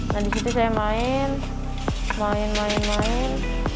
nah di situ saya main main main main